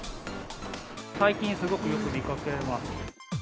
最近すごくよく見かけます。